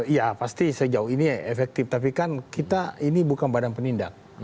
ya pasti sejauh ini efektif tapi kan kita ini bukan badan penindak